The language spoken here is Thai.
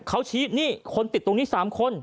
เขาติดตรงนี้๓คน